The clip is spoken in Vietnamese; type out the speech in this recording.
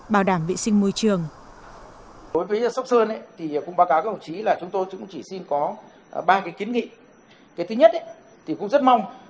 bảo đảm vệ sinh môi trường